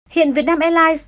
hiện việt nam airlines